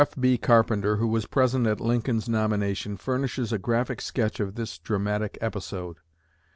F.B. Carpenter, who was present at Lincoln's nomination, furnishes a graphic sketch of this dramatic episode.